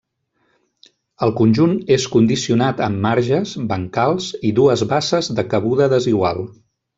El conjunt és condicionat amb marges, bancals i dues basses de cabuda desigual.